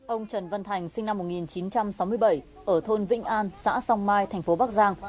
ông trần văn thành sinh năm một nghìn chín trăm sáu mươi bảy ở thôn vĩnh an xã song mai thành phố bắc giang